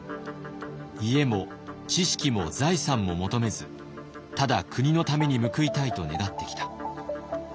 家も知識も財産も求めずただ国のために報いたいと願ってきた。